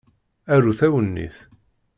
Arut awennit.